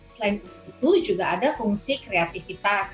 selain itu juga ada fungsi kreatifitas